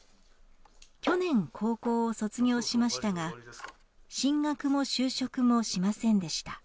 去年高校を卒業しましたが進学も就職もしませんでした。